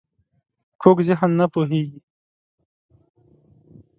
کوږ ذهن نه پوهېږي